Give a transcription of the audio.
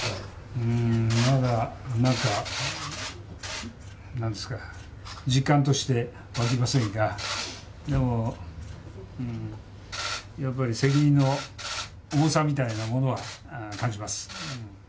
うーん、まだ、なんか実感としてわきませんがでも、やっぱり責任の重さみたいなものは感じます。